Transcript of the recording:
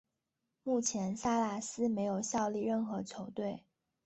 目前萨拉斯没有效力任何球队。